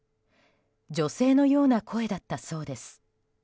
女性のような声だったそうです。